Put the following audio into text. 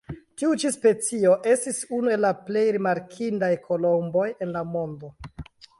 Tiu ĉi specio estis unu el la plej rimarkindaj kolomboj en la mondo.